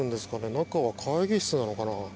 中は会議室なのかな？